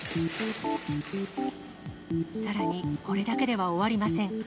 さらに、これだけでは終わりません。